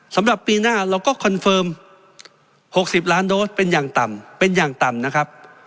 สำหรับปีหน้าเราก็คอนเฟิร์ม๖๐ล้านโดสเป็นอย่างต่ำเป็นอย่างต่ำนะครับ